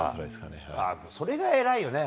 それが偉いよね。